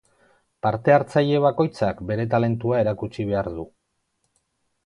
Parte-hartzaile bakoitzak bere talentua erakutsi behar du.